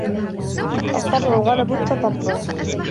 الطبع غلب التطبع